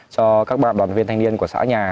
cho các đoàn viên thanh niên của xã nhà